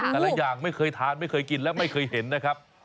อย่างไม่เคยทานไม่เคยกินและไม่เคยเห็นนะครับ